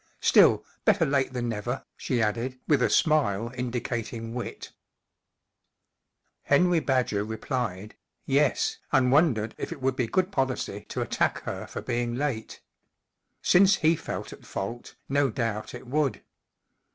Still, better late than never/' she added, with a smile indicating wit* Henry Badger replied " Yes/' and won¬ dered if it would be good policy to attack her for being late. Since he felt at fault* no doubt it would.